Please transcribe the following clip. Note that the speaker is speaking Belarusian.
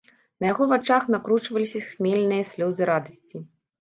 На яго вачах накручваліся хмельныя слёзы радасці.